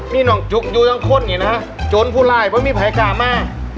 มีนอนจุ๊กอยู่จังค้นอย่างงี้น่ะโจรผู้ลายว่าไม่มีภายความมาก